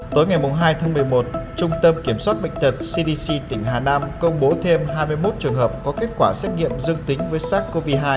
tối ngày hai tháng một mươi một trung tâm kiểm soát bệnh tật cdc tỉnh hà nam công bố thêm hai mươi một trường hợp có kết quả xét nghiệm dương tính với sars cov hai